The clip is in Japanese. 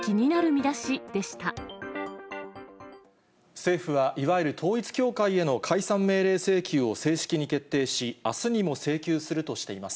政府はいわゆる統一教会への解散命令請求を正式に決定し、あすにも請求するとしています。